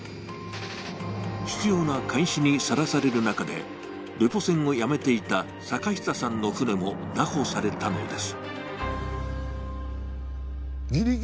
執ような監視にさらされる中で、レポ船をやめていた坂下さんの船も拿捕されたのです。